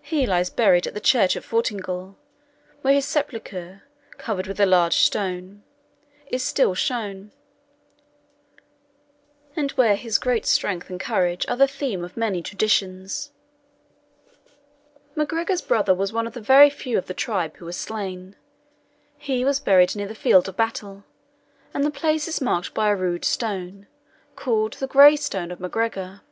He lies buried at the church of Fortingal, where his sepulchre, covered with a large stone,* is still shown, and where his great strength and courage are the theme of many traditions.* * Note A. The Grey Stone of MacGregor. Note B. Dugald Ciar Mhor. MacGregor's brother was one of the very few of the tribe who was slain. He was buried near the field of battle, and the place is marked by a rude stone, called the Grey Stone of MacGregor.